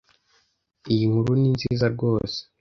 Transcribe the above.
Iyinkuru ninziza rwose!